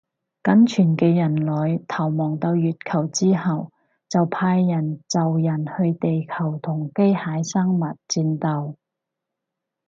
僅存嘅人類逃亡到月球之後就派人造人去地球同機械生物戰鬥